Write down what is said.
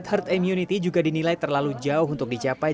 herd immunity juga dinilai terlalu jauh untuk dicapai